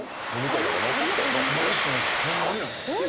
ホンマにないっす。